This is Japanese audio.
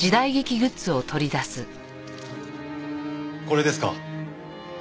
これですか？